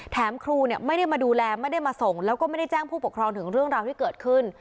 แถมครูเนี่ยไม่ได้มาดูแลไม่ได้มาส่งแล้วก็ไม่ได้แจ้งผู้ปกครองถึงเรื่องราวที่เกิดขึ้น